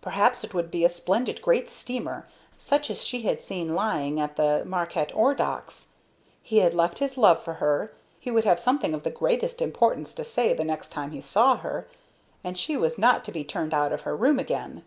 Perhaps it would be a splendid, great steamer, such as she had seen lying at the Marquette ore docks. He had left his love for her; he would have something of the greatest importance to say the next time he saw her; and she was not to be turned out of her room again.